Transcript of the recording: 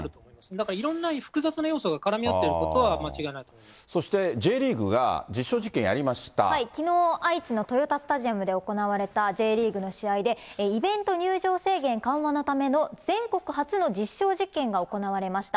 だからいろんな複雑な要素が絡み合ってることは間違いないと思いそして、きのう、愛知の豊田スタジアムで行われたＪリーグの試合で、イベント入場制限緩和のための全国初の実証実験が行われました。